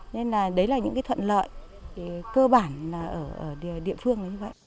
nên là đấy là những thuận lợi cơ bản ở địa phương